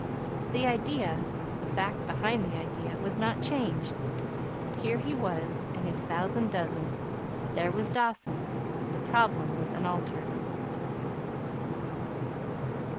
The idea the fact behind the idea was not changed. Here he was and his thousand dozen; there was Dawson; the problem was unaltered.